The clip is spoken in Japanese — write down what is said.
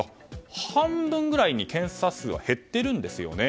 半分ぐらいに検査数は減っているんですよね。